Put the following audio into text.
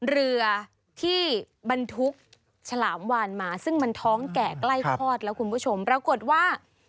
เรือที่บรรทุกฉลามวานมาซึ่งมันท้องแก่ใกล้คลอดแล้วคุณผู้ชมปรากฏว่า